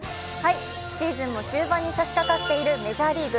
シーズンも終盤にさしかかっているメジャーリーグ。